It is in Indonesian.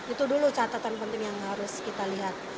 itu dulu catatan penting yang harus kita lihat